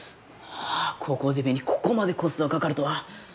高校デビューにここまでコストがかかるとは。